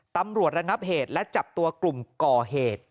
ระงับเหตุและจับตัวกลุ่มก่อเหตุ